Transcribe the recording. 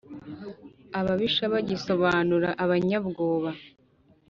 ababisha bagisobanura abanyabwoba.